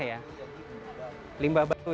ini adalah limbah batu